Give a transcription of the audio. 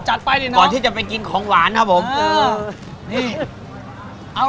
จัดไปดิน้องก่อนที่จะไปกินของหวานครับผมเออนี่